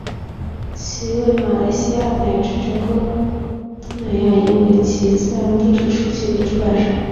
其为马来西亚乃至整个东南亚英文及自然历史书籍的出版商。